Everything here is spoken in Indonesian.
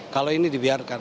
kalau ini dibiarkan